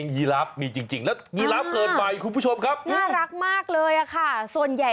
ยีราบขอยาวช่างน่ารัก